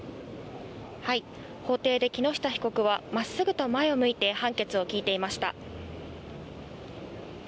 法廷で木下被告は真っすぐと前を向いて判決を聞いていました。